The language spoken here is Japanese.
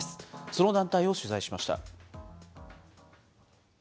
その団体を取材しました。